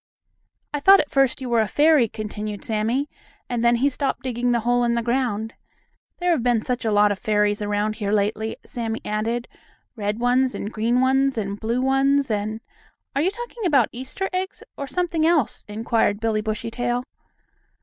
"I thought at first you were a fairy," continued Sammie, and then he stopped digging the hole in the ground. "There have been such a lot of fairies around here lately," Sammie added. "Red ones, and green ones, and blue ones, and " "Are you talking about Easter eggs or something else?" inquired Billie Bushytail.